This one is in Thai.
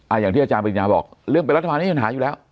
เหมือนที่อาจารย์ปริกนาบอกเรื่องเป็นรัฐบาลมันจะหาอยู่แล้ว